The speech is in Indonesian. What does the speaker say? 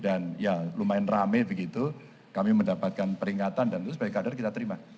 dan ya lumayan rame begitu kami mendapatkan peringatan dan terus sebagai kader kita terima